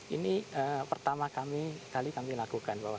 ini pertama kali kami lakukan